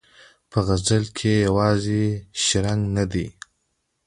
په غزل کې یې یوازې شرنګ نه دی.